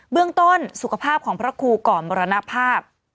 เบื้องต้นสุขภาพของพระครูก่อนมรณภาพ